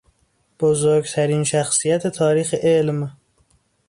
بزرگترین شخصیت تاریخ علم